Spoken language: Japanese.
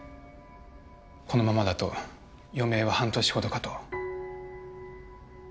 このままだと余命は半年ほどかと